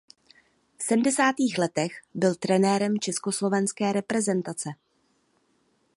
V sedmdesátých letech byl trenérem československé reprezentace.